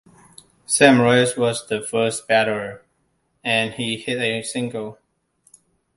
Sam Rice was the first batter, and he hit a single.